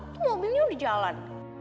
tuh mobilnya udah jalan